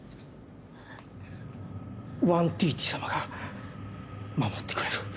ワンティーティ様が守ってくれる。